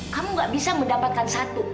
kamu gak bisa mendapatkan satu